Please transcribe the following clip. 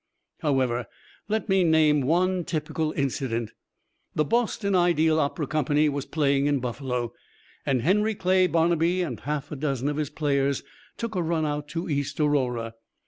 However, let me name one typical incident. The Boston Ideal Opera Company was playing in Buffalo, and Henry Clay Barnabee and half a dozen of his players took a run out to East Aurora.